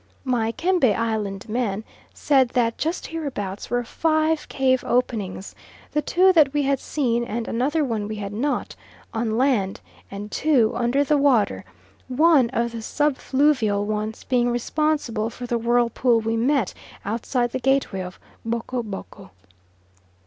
My Kembe Island man said that just hereabouts were five cave openings, the two that we had seen and another one we had not, on land, and two under the water, one of the sub fluvial ones being responsible for the whirlpool we met outside the gateway of Boko Boko.